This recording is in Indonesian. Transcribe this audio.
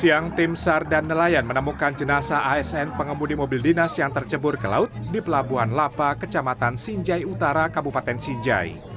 siang tim sar dan nelayan menemukan jenazah asn pengemudi mobil dinas yang tercebur ke laut di pelabuhan lapa kecamatan sinjai utara kabupaten sinjai